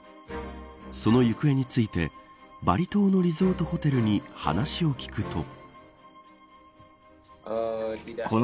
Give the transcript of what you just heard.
その行方についてバリ島のリゾートホテルに話を聞くと。